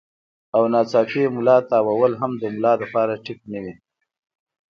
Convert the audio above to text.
او يا ناڅاپي ملا تاوهل هم د ملا د پاره ټيک نۀ وي